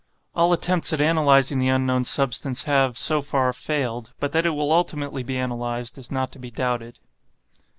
All attempts at analyzing the unknown substance have, so far, failed, but that it will ultimately be analyzed, is not to be doubted.